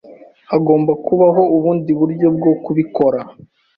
Hagomba kubaho ubundi buryo bwo kubikora.